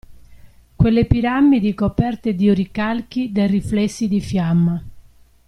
Quelle piramidi coperte di oricalchi dai riflessi di fiamma…